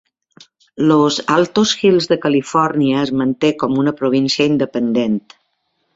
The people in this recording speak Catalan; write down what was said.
Los Altos Hills de Califòrnia es manté com una província independent.